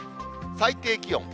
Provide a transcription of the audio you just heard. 最低気温。